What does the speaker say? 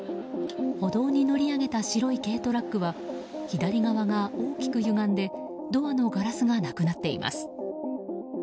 歩道に乗り上げた白い軽トラックは左側が大きくゆがんでドアのガラスがなくなっています。